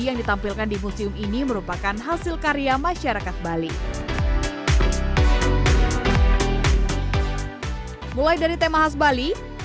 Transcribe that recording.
yang ditampilkan di museum ini merupakan hasil karya masyarakat bali mulai dari tema khas bali